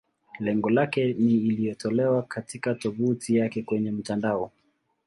Lengo lake ni iliyotolewa katika tovuti yake kwenye mtandao.